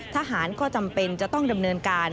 ทหารก็จำเป็นจะต้องดำเนินการ